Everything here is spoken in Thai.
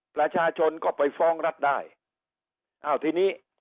ประชาชนก็ไปฟ้องรัฐได้